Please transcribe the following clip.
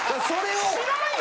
知らんよ！